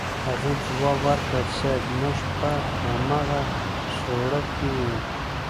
هغې ځواب ورکړ صيب موږ په امغه سوړه کې يو.